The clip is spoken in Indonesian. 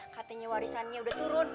katanya warisannya udah turun